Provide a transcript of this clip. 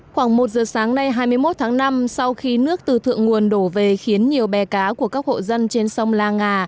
khoảng một giờ sáng nay hai mươi một tháng năm sau khi nước từ thượng nguồn đổ về khiến nhiều bè cá của các hộ dân trên sông la nga